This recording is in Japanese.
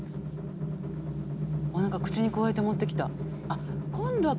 何か口にくわえて持ってきた。